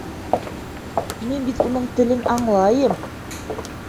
Мин бит уның телен аңлайым.